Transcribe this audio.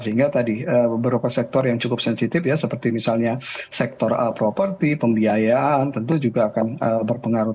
sehingga tadi beberapa sektor yang cukup sensitif ya seperti misalnya sektor properti pembiayaan tentu juga akan berpengaruh